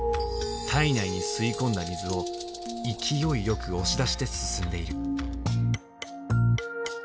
体内に吸い込んだ水を勢いよく押し出して進んでいる。